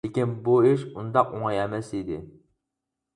لېكىن بۇ ئىش ئۇنداق ئوڭاي ئەمەس ئىدى.